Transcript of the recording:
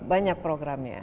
banyak program ya